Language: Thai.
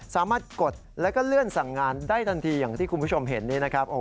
สามารถกดแล้วก็เลื่อนสั่งงานได้ทันทีอย่างที่คุณผู้ชมเห็นนี้นะครับ